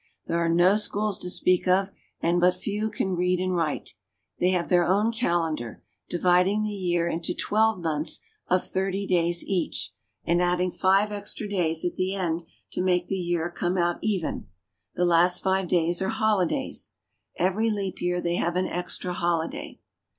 ^^1 are no schools to speak of, and but few can read and ^^H write. They have 1 before the"^^^! :ion. There ^^^ calendar, ; the year in " dividin to twelve months of thirty days each and adding five extra days at the end to make the year come out even. The last five days are holidays. Every leap year they have an extra holi day.